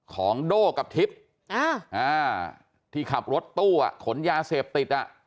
ของโด้กับทิศที่ขับรถตู้ขนยาเสพติด